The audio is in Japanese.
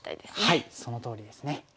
はいそのとおりですね。